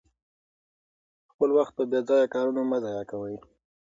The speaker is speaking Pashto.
خپل وخت په بې ځایه کارونو مه ضایع کوئ.